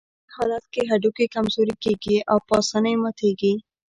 په دې حالت کې هډوکي کمزوري کېږي او په آسانۍ ماتېږي.